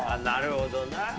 なるほどな。